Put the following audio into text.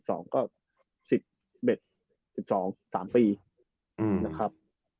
เป็น๓ปีนะครับ